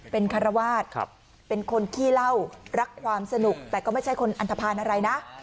เป็นคารวาสเป็นคนขี้เหล้ารักความสนุกแต่ก็ไม่ใช่คนอันทภาณอะไรนะ